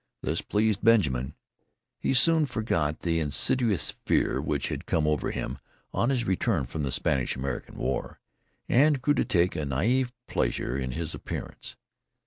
This pleased Benjamin he soon forgot the insidious fear which had come over him on his return from the Spanish American War, and grew to take a naïve pleasure in his appearance.